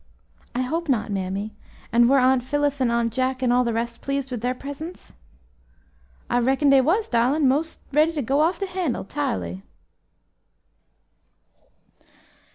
"I hope not, mammy; and were Aunt Phillis, and Uncle Jack, and all the rest pleased with their presents?" "I reckon dey was, darlin', mos' ready to go off de handle, 'tirely."